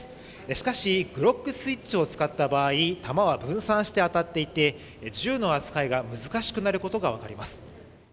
しかしグロックスイッチを使った場合弾は分散して当たっていて銃の扱いが難しくなることが分かります